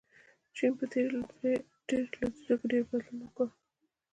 چین په تیرو لسیزو کې ډېر بدلون وکړ.